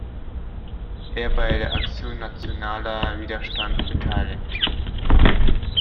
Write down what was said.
Er bei der Aktion nationaler Widerstand beteiligt.